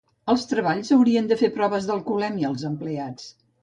Als treballs haurien de fer proves d'alcoholèmia als empleats